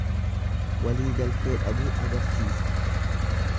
Waliigaltee dhabuu agarsiisa.